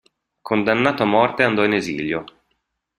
Condannato a morte andò in esilio.